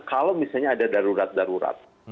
kalau misalnya ada darurat darurat